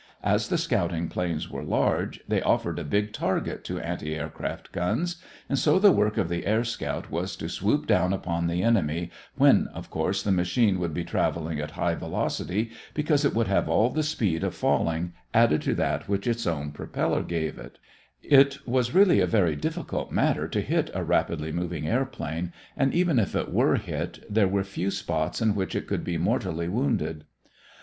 As the scouting planes were large, they offered a big target to anti aircraft guns, and so the work of the air scout was to swoop down upon the enemy, when, of course, the machine would be traveling at high velocity, because it would have all the speed of falling added to that which its own propeller gave it. [Illustration: How an object dropped from the Woolworth Building would increase its speed in falling] It was really a very difficult matter to hit a rapidly moving airplane; and even if it were hit, there were few spots in which it could be mortally wounded.